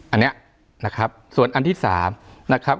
อันนี้นะครับส่วนอันที่๓นะครับ